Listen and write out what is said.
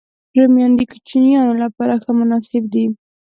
رومیان د کوچنيانو لپاره هم مناسب دي